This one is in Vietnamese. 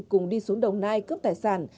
cùng đi xuống đồng nai cướp tài sản